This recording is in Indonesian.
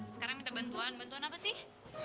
sekarang minta bantuan bantuan apa sih